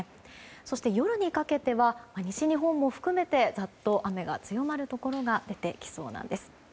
そして夜にかけては西日本を含めてざっと雨が強まるところが出てきそうです。